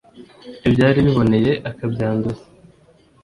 ibyari biboneye akabyanduza